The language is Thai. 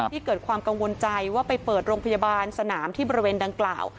เกิดความกังวลใจว่าไปเปิดโรงพยาบาลสนามที่บริเวณดังกล่าว